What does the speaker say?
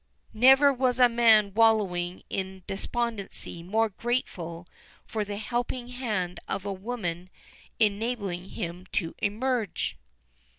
"Never was a man wallowing in despondency more grateful for the helping hand of a woman enabling him to emerge."